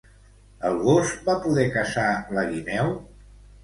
El gos va poder caçar la guineu?